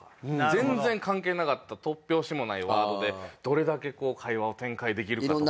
全然関係なかった突拍子もないワードでどれだけ会話を展開できるかとか。